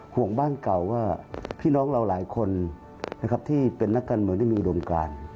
ห่วงบ้านเก่าว่าพี่น้องเราหลายคนนะครับที่เป็นนักการเมืองที่มีอุดมการ